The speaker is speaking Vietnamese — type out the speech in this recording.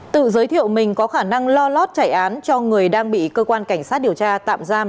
tự giới thiệu mình có khả năng lo lót chạy án cho người đang bị cơ quan cảnh sát điều tra tạm giam